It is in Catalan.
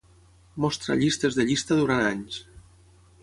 mostra llistes de llista durant anys.